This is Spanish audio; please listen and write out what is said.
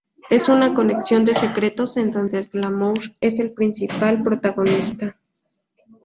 Es una conexión de secretos en donde el glamour es el principal protagonista.